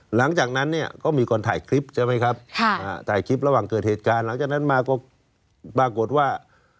หลังจากนั้นเนี่ยก็มีคนถ่ายคลิปใช่ไหมครับถ่ายคลิประหว่างเกิดเหตุการณ์หลังจากนั้นมาก็ปรากฏว่า